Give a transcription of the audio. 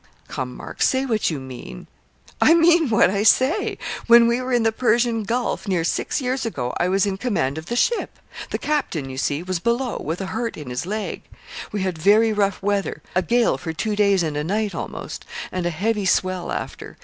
'Come, Mark, say what you mean.' 'I mean what I say. When we were in the Persian Gulf, near six years ago, I was in command of the ship. The captain, you see, was below, with a hurt in his leg. We had very rough weather a gale for two days and a night almost and a heavy swell after.